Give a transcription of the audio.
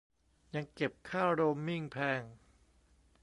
ยังเก็บค่าโรมมิ่งแพง